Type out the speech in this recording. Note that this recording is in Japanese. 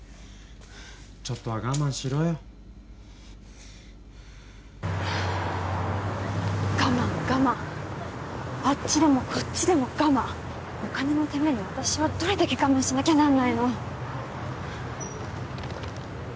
ちょっとは我慢しろよ我慢我慢あっちでもこっちでも我慢お金のために私はどれだけ我慢しなきゃなんないの？